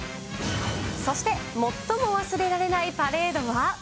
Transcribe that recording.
そして最も忘れられないパレードは。